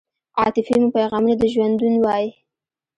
عاطفې مو پیغامونه د ژوندون وای